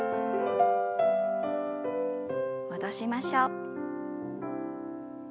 戻しましょう。